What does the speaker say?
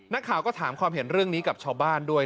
นักข่าวก็ถามความเห็นเรื่องนี้กับชาวบ้านด้วย